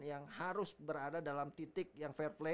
yang harus berada dalam titik yang fair play